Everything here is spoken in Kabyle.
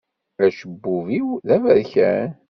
Acebbub-iw d aberkan.